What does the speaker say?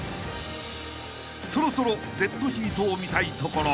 ［そろそろデッドヒートを見たいところ］